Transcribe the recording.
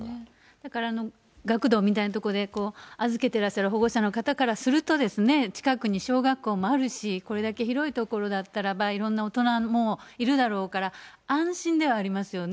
だから学童みたいな所で預けてらっしゃる保護者の方からすると、近くに小学校もあるし、これだけ広い所だったらば、いろんな大人もいるだろうから、安心ではありますよね。